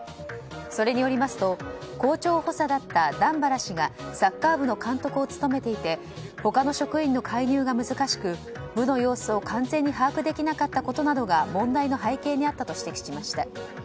それによりますと校長補佐だった段原氏がサッカー部の監督を務めていて他の職員の介入が難しく部の様子を完全に把握できなかったことなどが問題の背景にあったと指摘しました。